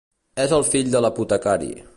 És el fill de l'apotecari.